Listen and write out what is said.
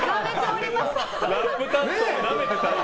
ラップ担当をなめてた。